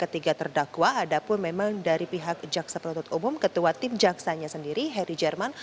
ketiga terdakwa ada pun memang dari pihak jaksa penuntut umum ketua tim jaksanya sendiri harry jerman